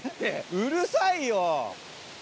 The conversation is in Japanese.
うるさいよ！